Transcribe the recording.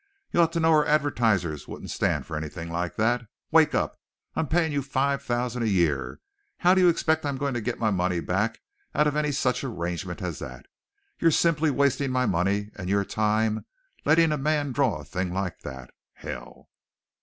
You ought to know our advertisers wouldn't stand for anything like that. Wake up! I'm paying you five thousand a year. How do you expect I'm going to get my money back out of any such arrangement as that? You're simply wasting my money and your time letting a man draw a thing like that. Hell!!"